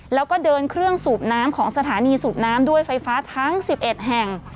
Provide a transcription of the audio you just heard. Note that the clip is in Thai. แล้วก็เดินเครื่องสูบน้ำของสถานีสูบน้ำด้วยไฟฟ้าทั้ง๑๑แห่ง